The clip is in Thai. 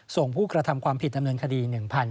ผู้กระทำความผิดดำเนินคดี